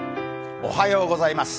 おはようございます。